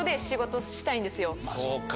そうか。